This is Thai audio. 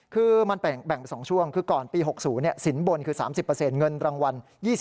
คือมันแบ่งเป็น๒ช่วงคือก่อนปี๖๐สินบนคือ๓๐เงินรางวัล๒๐